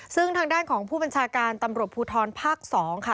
ซึ่งทางด้านของผู้บัญชาการตำรวจภูทรภาค๒ค่ะ